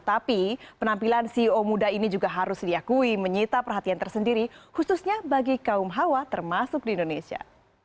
tapi penampilan ceo muda ini juga harus diakui menyita perhatian tersendiri khususnya bagi kaum hawa termasuk di indonesia